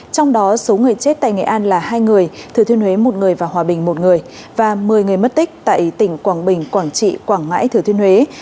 trong đó số người chết tại nghệ an là hai người thứ thuyên huế một người và hòa bình một người và một mươi người mất tích tại tỉnh quảng bình quảng trị quảng ngãi thứ thuyên huế